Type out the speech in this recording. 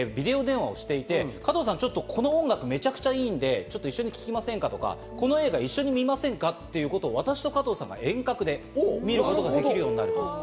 例えば私と加藤さんがビデオ電話をしていて、加藤さん、ちょっとこの音楽めちゃくちゃいいんで一緒に聞きませんかとか、この映画一緒に見ませんかということを私と加藤さんが遠隔で見ることができるようになる。